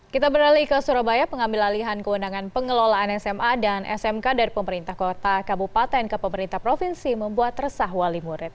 kita beralih ke surabaya pengambil alihan kewenangan pengelolaan sma dan smk dari pemerintah kota kabupaten ke pemerintah provinsi membuat resah wali murid